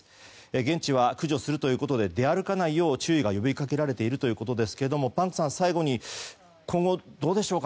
現地は駆除するということで出歩かないよう注意が呼びかけられていますがパンクさん最後に今後、どうでしょう？